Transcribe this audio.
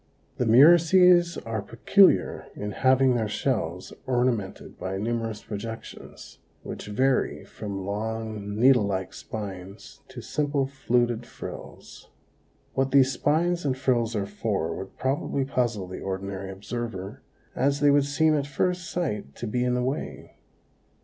The murices are peculiar in having their shells ornamented by numerous projections, which vary from long, needle like spines to simple fluted frills. What these spines and frills are for would probably puzzle the ordinary observer, as they would seem at first sight to be in the way.